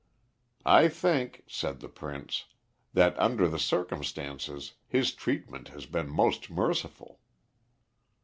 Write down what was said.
"I think," said the Prince, "that under the circumstances, his treatment has been most merciful."